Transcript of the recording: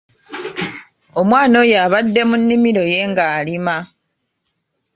Omwana oyo abadde mu nnimiro ye ng'alima.